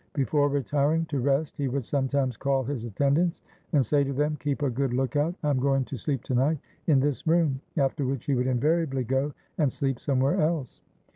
Before retiring to rest he would sometimes call his attendants, and say to them, ''Keep a good lookout. I am going to sleep to night in this room"; after which he would invariably go and sleep somewhere else.